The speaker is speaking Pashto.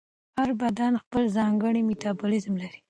هر بدن خپل ځانګړی میتابولیزم لري.